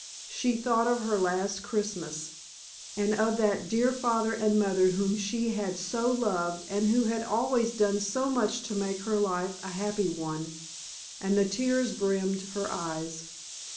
She thought of her last Christmas, and of that dear father and mother whom she had so loved and who had always done so much to make her life a happy one, and the tears brimmed her eyes.